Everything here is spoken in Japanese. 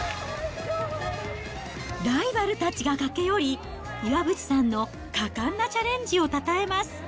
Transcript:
ライバルたちが駆け寄り、岩渕さんの果敢なチャレンジをたたえます。